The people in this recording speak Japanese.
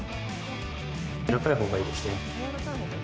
柔らかいほうがいいですね。